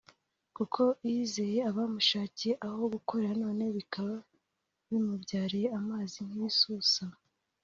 kuko yizeye abamushakiye aho gukorera none bikaba bimubyariye amazi nk’ibisusa